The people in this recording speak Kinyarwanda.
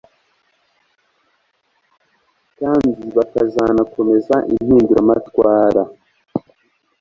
kandi bakazanakomeza impinduramatwara